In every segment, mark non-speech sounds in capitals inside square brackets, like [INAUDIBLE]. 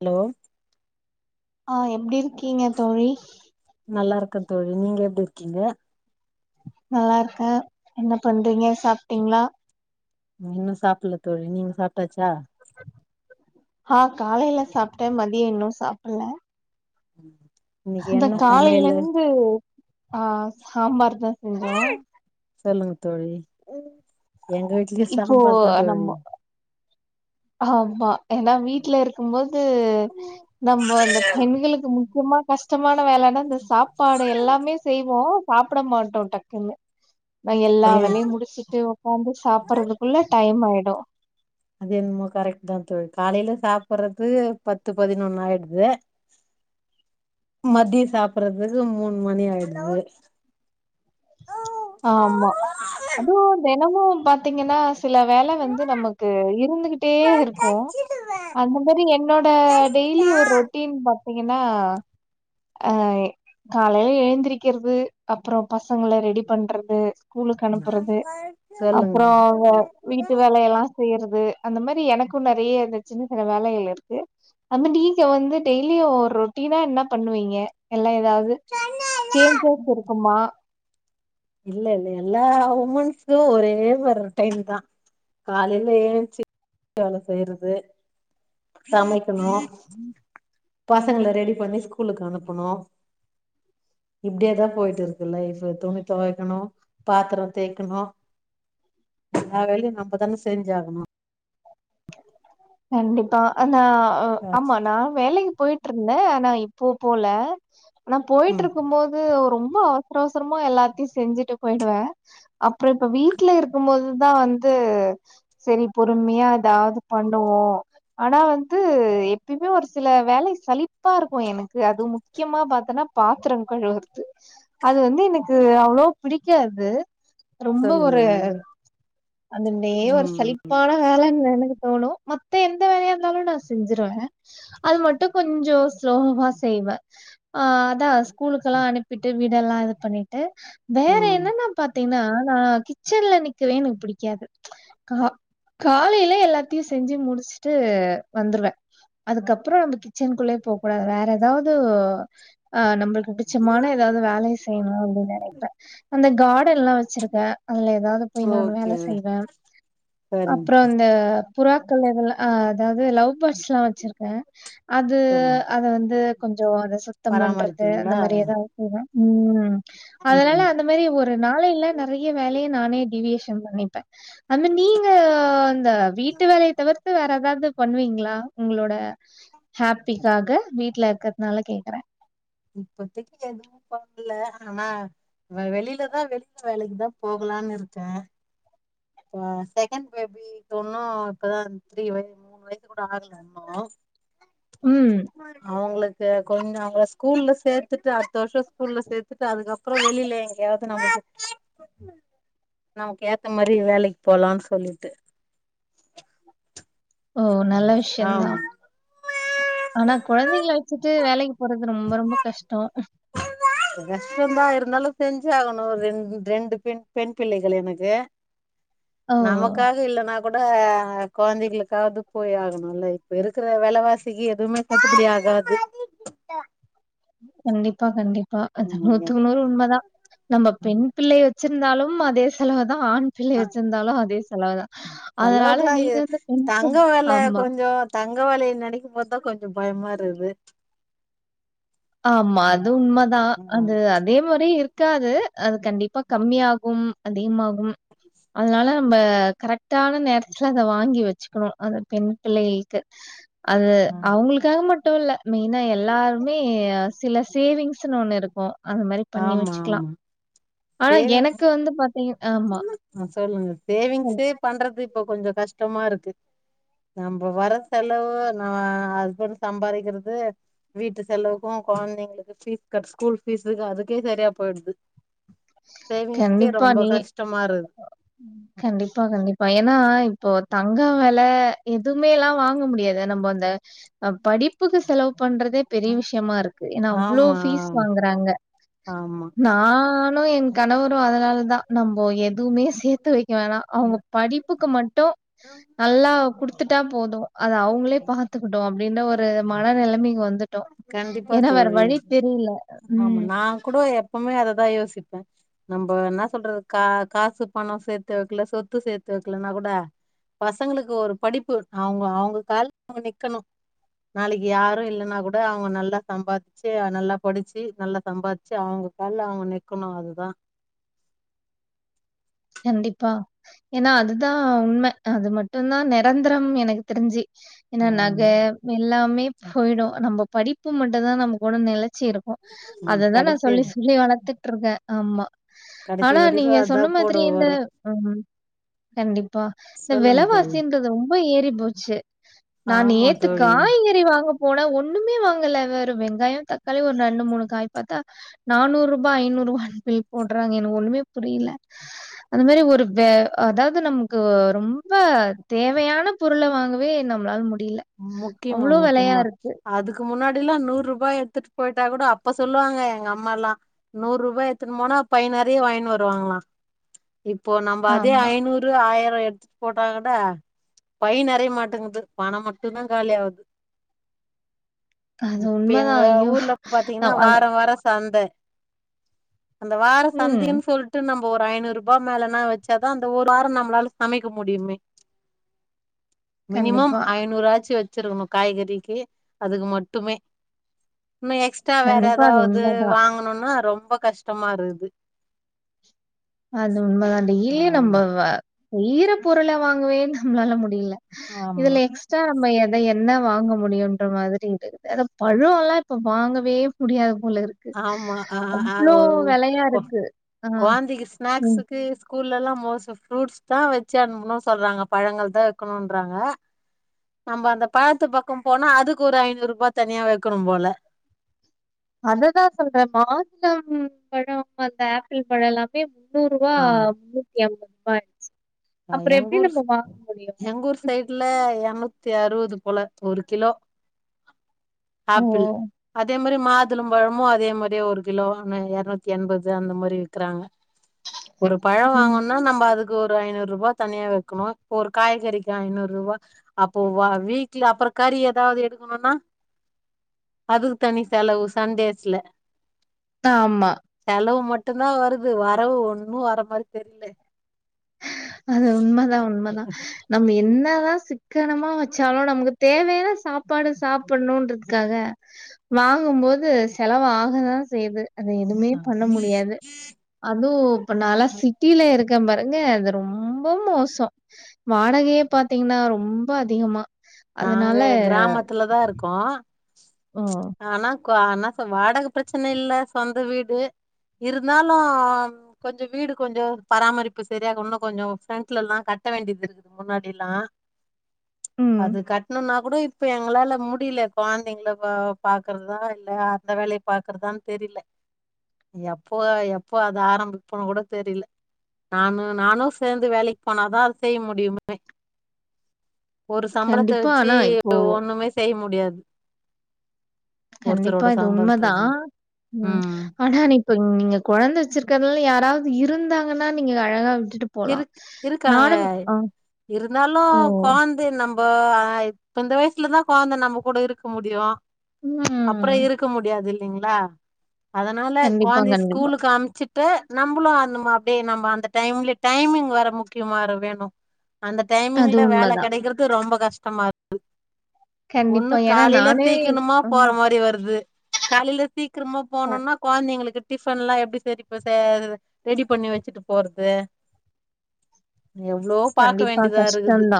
Hello ஆ எப்டி இருக்கீங்க தோழி நல்லா இருக்கந்தோழி நீங்க எப்டி இருக்கீங்க நல்லா இருக்க என்ன பண்றீங்க சாப்ட்டீங்ளா இன்னு சாப்ல்ல தோழி நீங்க சாப்ட்டாச்சா ஆ காலைல சாப்ட்ட மதிய இன்னு சாப்பல ம் ஆ அந்த காலைல் இந்து ஆ சாம்பார் தா செஞ்சோ சொல்லுங்க தோழி ம் எங்க வீட்டுலயு இப்போ சாம்பார் தா தோழி ஆம்மா ஏனா வீட்ல இருக் க்கும்போது நம்போ அந்த பெண்களுக் முக்கியமா கஷ்டமான வேலனா இந்த சாப்பாடு எல்லாமே செய்வோ சாப்ட மாட்டோ டக்குன்னு நாங் எல்லா அது வேலையு முடிச்சிட்டு உக்காந்து சாப்பறதுக்குள்ள டைம் ஆயிடு அது என்மோ கரெக்ட் தா தோழி காலைல சாப்றது பத்து பதினொன் ஆயிடுது மதிய சாப்றதுக்கு மூன் மணி ஆய்டுது ஆமா அதுவு தெனமு பாத்தீங்கனா சில வேல வந்து நமக்கு இருந்துகிட்டே இருக்கு அந்த மாரி என்னோட டெய்லி ஓர் ரொட்டீன் பாத் பாத்தீங்கன்னா ஆ காலைல எழுந்திரக்றது அப்றோ பச பசங்கள ரெடி பண்றது ஸ்கூலுக்கு அனுப்றது சொல்லுங்க அப்றோ வீட்டு வேலயெல்லா செய்யறது அந்த மாரி எனக்கு நெறைய இந்த சின்ன சின்ன வேலைகள் இருக்கு வந்து நீங்க வந்து டெய்லியு ஒரு ரொட்டீனா இன்னா பண்ணுவீங்க எல்லா ஏதாவ்து சேஞ்சஸ் இருக்குமா இல்ல எல்லா உமன்ஸ்கு ஒரே மார் ரோட்டைன் தா காலைல ஏஞ்சி வீட்டு வேல செய்யறது சமைக்கணு பசங்கள ரெடி பண்ணி ஸ்கூலுக்கு அனுப்பணு இப்டியே தா போயிட்டு இருக்கு லைப் துணித் தொவைக்கணு பாத்ரோ தேய்க்கணு எல்லா வேலயு நம்ப தானே செஞ் ஆகணு கண்டிப்பா ஆனா ஆமா நா வேலைக் போயிட் ட்ருந்தே ஆனா இப்போ போல ஆனா போயிட்டு ம் இருக்கு போ து ரொம்ப அவசர அவசரமா எல்லாத்தையு செஞ்சுட்டு போயிடுவே அப்றோ இப்ப வீட்ல இருக்கு போதுதா வந்து செரி பொறுமையா எதாவ்து பண்ணுவோ ஆனா வந்து எப்பய்மே ஒரு சில வேலை சலிப்பா இருக்கு எனக்கு அது முக் க்கியமா பத்தன்னா பாத்ரோ கழுவுற்து அது வந்து எனக்கு அவ்ளோ பிடிக்காது ரொம்ப சொல்லுங்க ஒரு அந்த டே ஒரு ம் சலிப்பான வேலன் எனக் தோணு மத்த எந்த வேல யா இருந்தாலு நா செஞ்சிருவே அது மட்டு கொஞ்சோ ஸ்லோவா செய்வே ஆ அதா ஸ்கூலுகெலா அனுப்பிட்டு வீடெல்லா இது பண்ணிட்டு வேற ம் என்ன நா பாத் தீங்னா நா கிச்சன்ல நிக்கவே எனக்கு புடிக்காது கா காலேலே எல்லாத் தியு செஞ்சு முடுச்ட்டு வந்துருவே அதுக்கப்றோ அந்த கிச்சன்க்குள்ளே போ கூடாது வேற ஏதாவது ஆ நம்மளுக் புடுச்சமான எதாவ்து வேலைய செய்ணு அப்டின் நெனைப்பே அந்த காடன்ல்லா வச்சிருக் கே அதுல ஏதாவ்து போய் நானு வேல ஓகே செய்வே சரிங்க அப்புறோ சிஸ் இந்த புறாக்கள் இதுல ஆ அதாவ்து லவ் பேர்ட்ஸ்லா வச்சுருக்கே அது சொல்லுங்க அத வந்து கொஞ்சோ அத சுத்தம் பண்றது அந்த பராமரிப்பீங்களா மாரி எதாவ் செய்வே ம் அதனால ம் அந்த மாரி ஒரு ஒரு நாளைல நெறைய வேலைய நானே டீவியேஷன் பண்ணிப்பே அந்த நீங்க அந்த வீட்டு வேலைய தவிர்த்து வேற எதாவ்து பண்ணுவீங்ளா உங்களோட ஹாப்பிக்காக வீட்ல இருக்கற்துனால கேக்குறே இப்போதக்கி எதுவு பண்ல ஆனா வ வெளிலதா வெளில வேலக்கி தா போகலானு இருக்கே இப்ப செகெண்ட் பேபி [UNINTELLIGIBLE] இப்பதா த்ரீ வய மூனு வயசு கூட ஆகல இன்னோ ம் அவுங்களுக்கு கொஞ்சோ அவுங்கள ஸ்கூல்ல சேத்துட்டு அடுத்த வர்ஷோ ஸ்கூல்ல சேத்துட்டு அதுக்கப் அப்றோ வெளில எங்கயாது நமக்கு நமக்கு ஏத்த மாரி ரி வேலைக் போலான் சொல்லிட்டு ஓ நல்ல விஷ்யந்தா ஆமா ஆனா கொழந்தைங்கல வச்சுட்டு வேலக்கி போறது ரொம்ப ரொம்ப கஷ்டோ கஷ்டந்தா இருந்தாலு செஞ்சு ஆகணு ரெண் ரெண்டு பெண் பெண் பிள்ளைகள் எனக்கு ஓ! நமக்காக இல்லனா கொட கொழந்தைகளுக்காவ்து போய் ஆகணுல்ல இப்ப இருக்குற வெலவாசிக்கு எதுவுமே கட்டுபுடி ஆகாது கண்டிப்பா கண்டிப்பா அது ம் நூத்துக்கு நூறு உண்மதா நம்ம பெண் பிள்ளைய வச்சிருந்தாலும் அதே செலவு தா ஆண் ஆ பிள்ளைய வச்சிருந்தாலு அதே செலவுதா அதனால நல்லதுதா இது நீங்க வந்து பெண் தங்க வெல [INAUDIBLE] ஆமா கொஞ்சோ தங்க வெலய நெனெக்கும் போத் தா கொஞ்சோ பயமா இருக்குது ஆமா ஆ, அது உண்மதா ஆ, அது அதே மாரி இருக் க்காது அது கண்டிப்பா கம்மியாகும் அதிகமாகும் அதுனால நம்ப கரெக்டான நேரத்துல அத வாங்கி வெச்சுக்கணு அந்த பெண் பிள்ளைகளுக்கு அது அவுங்களுக்காக மட்டு இல்ல மெயினா எல்லாருமே சில சேவிங்ஸுனு ஒன்னு இருக்கு அந்த மாரி பண்ணி ஆமா வச்சுக்கலா ஆமா ஆனா சேவிங்ஸ் எனக்கு வந்து பாத்தீங்க ஆமா ஆ சொல்லுங்க சேவிங்ஸ்ஸே பண்றது இப்ப கொஞ்சோ கஷ்டமா இருக்கு நம்ப வர செலவு நா ஹஸ்பண்ட் சம்பாரிக்கிறது வீட்டு செலவுக்கு கொழந்தைங்களுக்கு ஃபீஸ் கட் ஸ்கூல் ஃபீஸுக்கு அதுக்கே சரியா போயிடுது சேவிங்ஸ்கே ரொம்ப கஷ்டமா இருக் அ கண்டிப்பா கண்டிப்பா ஏனா இப்போ தங்கோ வெல எதுவுமேல்லா வாங்க முடியாது நம்ம அந்த ஆ படிப்புக்கு செலவு பண்றதே பெரிய விஷயமா இருக்கு ஏன்னா அவ்ளோ ஆமா ஃபீஸ் வாங்குறாங்க ஆமா நா னு என் கணவரு அதனால தா நம்போ எதுவுமே சேத்து வைக்க வேணா அவுங்க படிப்புக்கு மட்டு நல்லா குடுத்துட்டா போது அத அவுங்களே பாத்துக்கட்டு அப்டின்னு ஒரு மனநெலமைக்கு வந்து ந்துட்டோ கண்டிப்பா ஏனா வேற தோழி வழி தெரியல ஆமா ம் நா கூட எப் எப்பவுமே அததா யோசிப்பே நம்ப என்ன சொல்றது கா காசு பணோ சேத்து வெக்கல சொத்து சேத்து வெக்கலன்னா கூட பசங்களுக்கு ஒரு படிப்பு அவுங்க அவுங்க கால்ல அவுங்க நிக்கணு நாளைக்கு யாரு இல்லன்னா கூட அவுங்க நல்லா சம்பார்ச்சு நல்லா படிச்சு நல்லா சம்பார்ச்சு அவுங்க கால்ல அவுங்க நிக்கணு அதுதா கண்டிப்பா ஏன்னா அதுதா உண்ம அது மட்டுந்தா நெரந்தரம் எனக்கு தெரிஞ்சு ஏன்னா ஆமா நகை எல்லாமே போயிடு நம்ம படிப்பு மட்டுந்தா நம்ம கூட நெலச்சி இருக் ம் அததா நா கடைசி சொல்லி சொல்லி வளத்துட்டு இருக்கே ஆமா கடைசி ஆனா வரைக்கு நீங்க அதா சொன்ன மாரி கூட இந்த வரு ஆமா கண்டிப்பா இந்த சொல்லுங்க தோழி வெலைவாசின் றது ரொம்ப ஏறி போச்சு நா ஆமா நேத்து தோழி காய்கறி வாங்கப் போனா ஒண்ணுமே வாங்கல வெறு வெங்காயோ தக்காளி ஒரு ரெண்டு மூணு காய் பாத்தா நானூரூபா ஐநூரூபான் பில் போட்றாங்க எனக்கு ஒண்ணுமே புரில அந்த மாரி ஒரு வே அதாவது நமக்கு ரொம்ப தேவையான பொருள வாங்கவே நம் நம்ளால முடியல முக்கியமா அவ்ளோ வெலையா முக்கியமா இருக்கு. அதுக் க்கு முன்னாடி எல்லா நூறு ரூபா எடுத்துட்டு போயிட்டா கூட அப்ப சொல்லுவாங்க எங்க அம்மால்லா நூறு ரூபா எடுத்துன் போனா பை நெறைய வாங்கினு வருவாங்களா இப்போ நம்ப அதே ஆமா. ஐநூ ரு ஆயிரோ எடுத்துட்டு போட்டா கூட பை நெறைய மாட்டேங்குது பணம் மட்டு டுந்தா காலியாவுது அது இப்ப எங்க உண்மதான். ஐயோ! ஊர்ல பாத்தீங்கன்னா நம் அத வார வார சந்த அந்த வார ம். சந்தைன் சொல்ட்டு நம் ஒரு ஐநூறு ரூபா மேலன்னா வச்சாதா அந்த ஒரு வாரம் நம்மளால சமைக்க முடியுமே மினிமம் கண்டிப்பா. ஐநூறா காச்சி வெச்சிருக்கணு காய்கறிக்கு அதுக்கு மட்டுமே நம்ம எக்ஸ் ட்டா வேற கண்டிப்பா அது எதாவது உண்மதான். வாங்கணுன்னா ரொம்ப கஷ்டமா இருகுது அது உண்மைதா டெய்லியு நம்ம [UNINTELLIGIBLE] பொருள வாங்கவே நம்மளால முடில ஆமா இதுல எக்ஸ் ட்ரா நம்ம எதை என்ன வாங்க முடியுன்ற மாரி இருக்குது அத பழோலா இப்ப வாங்கவே முடியாது போல இருக் ஆமா அ அ கொ இருக்கு. ஆ கொழந்தைக்கு ம். ஸ்நாக்ஸுக்கு ஸ்கூல்லல்லா மோஸ்ட்டா ஃப்ரூட்ஸ் தா வெச்சு அனுப்புனு சொல்றாங்க பழங்கள் தா வெக்கணுன்றாங்க நம்ப அந்த பழத்து பக்கோ போனா அதுக்கொரு ஐநூர்ருபா தனியா வெக்கணும் போல அத தா சொல்றே மாதுளம் பழோ அந்த ஆப்பிள் பழோ எல்லா மே முன்னூர்ருவா ஆமா முன்னூத்தி அம்பதுருபா [INAUDIBLE] அஹ் அப்றோ எங்க எப்டி ஊர் நம்ம வாங்க முடியு எங்க ஊர் சைடுல எர்நூத்தி அறுவது போல ஒரு கிலோ ஓ! ஆப்பிள் அதே மாரி மாதுளம்பழமு அதே மாரியே ஒரு கிலோன்னு எர்நூத்தி எண்பது அந்த மாரி விக்கறாங்க ஒரு பழோ ம். வாங்கோண்னா நம்ப அதுக்கு ஒரு ஐநூர் ருபா தனியா வெக்கணு ஒரு காய்கறிக்கு ஐநூர்ருவா அப்போ வா வீட்ல அப்பறோ கறி எதாவ்து எடுக்கணுனா அதுக்கு தனி செலவு சண்டேஸ்ல ஆமா செலவு மட்டுந்தா வருது வரவு ஒன்னு வர மாரி தெர்ல அது உண்மதா உண்மதா நம்ம என்னதா சிக் கனமா வச்சாலு நமக்கு தேவையான சாப்பாடு சாப்புட்ணுன்றதுக்காக வாங்கும்போது செலவு ஆகதா செய்யிது அத எதுமே பண்ண முடியாது அது இப்ப நாலா சிட்டில இருக்கம் பா அவங்க அது ரொம்போ மோசோ வாடகையே பாத்தீங்னா ரொம்ப அதிகமா நாங்க அதனால கிராமத்துல தா இருக்கோ ஓ! ஆனா க்வா என்னா சொ வாடக ப்ரச்சன இல்ல சொந்த வீடு இருந்தாலு கொஞ்சோ வீடு கொஞ்சோ பராமரிப்பு சரியாக உன்னு கொஞ்சோ ஃப்ரண்ட்லல்லா கட்ட வேண்டியதிருக் முன்னாடில்லா ம். அது கட்ணுன்னா கூட இப்ப எங்ளால முடியில கொழ்ந்தைங்ள வ பாக்கறதா இல்ல அந்த வேலைய பாக்கறதான் தெரில எப்போ அ எப்போ அத ஆரம்பிப்போன் கூட தெரில நானு நானு சேந்து வேலைக் போனாதா அது செய்ய முடியுமே ஒரு சம்பளத்த கண்டிப்பா. வச்சி ஆனா இப்போ ஒண்ணுமே செய்ய முடியாது கண்டிப்பா ஒருத்தரோட இது சம்பளத்த உண்மதா வச்சு ம் ஆனா நீ இப்ப நீங்க கொழந்த வச்சிருக்கறல யாராவது இருந்தாங்கன்னா நீங்க அழகா விட்டுட்டு போலாம். இருக் இருக்காங்க நானும் அ இருந்தாலும் ஓ! கொழந் இது நம்போ ஆ இப்ப இந்த வய்சுலதா கொழ்ந்த நம்ம கூட இருக்க முடியு அப்பறோ ம். இருக்க முடியாது இல்லீங்ளா அதுனால கண்டிப்பா, கொழ்ந்தய கண்டிப்பா. ஸ்கூலுக் அம்ச்சுட் டு நம்பளு அந்த மா அப்டே நம்ப அந்த டைம்லே டைமிங் வேற முக்கியமா இரு வேணு அந்த அது டைமிங்ல வேல உண்மதான். கெடைக்கறது ரொம்போ கஷ்டமாரு கண்டிப்பா. ஒன்னு ஏன்னா காலைல நானே சீக்கிணுமா அ. போற மாரி வருது காலைல சீக்ரமா போனோனா கொழ்ந்தைங்ளுக்கு டிஃபன்லா எப்டி செரி ப சேய்ரது ரெடி பண்ணி வெச்சுட்டு போறது எவ்ளோ பாக்க கண்டிப்பா வேண்டியதா இருக்குது கஷ்டந்தா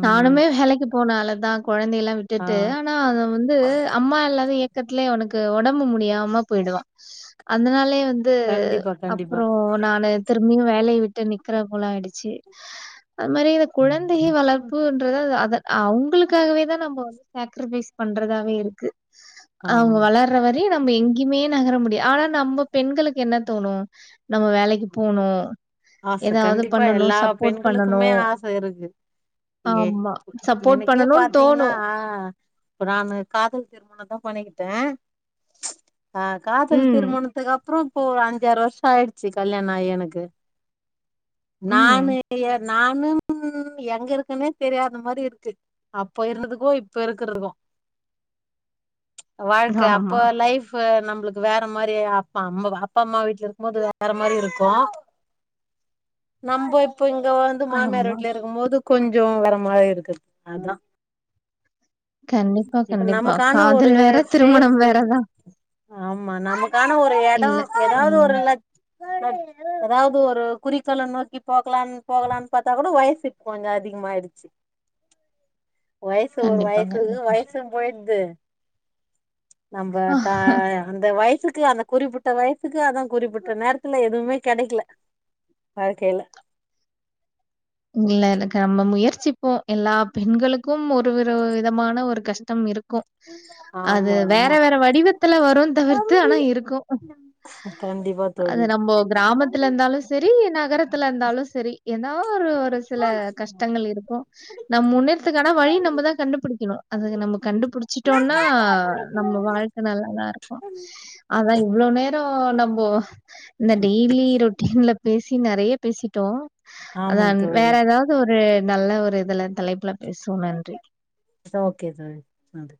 ம் நானுமே வேலைக்கு போன ஆளுதா கொழந்தைலா ஆ விட்டுட்டு நா அவ வந்து அம்மா இல்லாத ஏ க்கத்லே அவனுக்கு ஒடம்பு முடியாம போய்டுவா அதனாலயே வந் து கண்டிப்பா கண்டிப்பா அப்றோ நானு திரும்பியு வேலய விட்டு நிக்கற போல ஆய்டுச்சி அது மாரி இந்த குழந்தை வளர் புன்றத அத அவுங்ளுக்காகவே தா நம்ப வந்து சேக்ரிஃபைஸ் பண்றதாவே இருக்கு ஆமா அவங்க வளர்ற வரையு நம்ப எங்கயுமே நகர முடியா ஆனா நம்ப பெண்களுக்கு என்ன தோணு நம்ம வேலைக்கு போணு ஆச கண்டிப்பா எல்லா பெண்களுக்குமே பண்ணணும். ஆச இருக்கு எ ஆமா. சப்போர்ட் எனக்கே பண்ணணும்னு பாத்தீங்னா தோணும். ஆ இப்ப நானு காதல் திருமணதா பண்ணிகிட்ட ஆ காதல் ம், திருமணத்துக்கு அப்றோ இப்போ ஒரு அஞ்சாறு வர்ஷோ ஆயிடுச்சி கல்யாண ஆயி எனக்கு நானு ம். எ நானும் ம் எங்க இருக்குன்னே தெரியாத மாரி இருக்கு அப்ப இருந்ததுக்கும் இப்ப இருக்கறதுக்கும் வாழ்க்க அப்ப ஆமா. லைஃப் இப்ப நம்பளுக்கு வேற மாரி அப்ப அம் அப்பா அம்மா வீட்ல இருக்கமோது வேற மாரி இருக்கும் நம்போ இப்ப இங்க வந்து மாமியார் ஆமா. வீட்ல இருக்கமோது கொஞ்சோ வேற மாரி இருக்குது அதா கண்டிப்பா, இப்ப கண்டிப்பா. நமக்கான ஒரு காதல் வேற, திருமணம் ஃபேஸு வேற தான். ஆமா நமக்கான ஒரு இல்ல. எடம் எதாவது ம். ஒரு ல எதாவது ஒரு குறிக்கோள நோக்கி போகலான் போகலான் பாத்தா கூட வயசு கொஞ்சோ அதிகமாயிடு ச்சி வயசு ஒரு கண்டிப்பா, வயசு கண்டிப்பா. வயசும் போய்டுது நம்ப தாயா அந்த வயசுக்கு அந்த குறிப்பிட்ட வயசுக்கு அதா குறிப்பிட்ட நேரத்துல எதுவுமே கெடைக்கில வாழ்க்கைல இல்ல எனக்கு நம்ம முயற்சிப்போம் எல்லா பெண்களுக்கும் ஒரு ஒரு விதமான ஒரு கஷ்டம் இருக்கும் அது ஆமா வேற ஆமா வேற வடிவத்துல வரும் தவிர்த்து ஆனா இருக்கும் கண்டிப்பா அது தோழி நம்போ கிராமத்துல இருந்தாலு செரி நகரத்துல இருந்தாலு செரி ஏனா ஒரு ஒரு சில கஷ்டங்கள் இருக்கும் நம் முன்னேறத்துக்கான வழி நம்பதா கண்டுபுடிக்கினு அது நம்ம கண்டுபுடிச்சிட்டோன்னா நம்ம வாழ் நல்லாதா இருக்கும் அதா இவ்ளோ நேரோ நம்போ இந்த டெய்லி ரொட்டீன்ல பேசி நறையா பேசிட்டோ அதா ஆமா தோழி வேற எதாவுனது ஒரு நல்ல ஒரு இதுல தலைப்புல பேசுவோ நன்றி ஓகே தோழி நன்றி